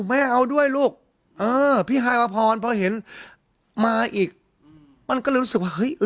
ไม่เอาด้วยลูกเออพี่ฮายวพรพอเห็นมาอีกมันก็เลยรู้สึกว่าเฮ้ย